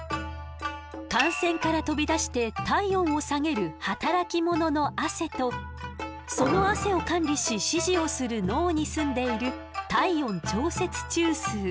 汗腺から飛び出して体温を下げる働き者のアセとそのアセを管理し指示をする脳に住んでいる体温調節中枢。